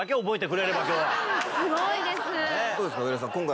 すごいです。